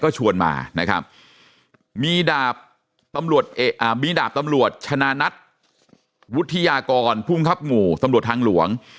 ก็ชวนมานะครับมีดาบตำรวจชนะนัทวุฒิยากรผู้บังคับหมู่ตำรวจทางหลวง